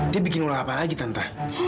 dia bikin ulang apa lagi tante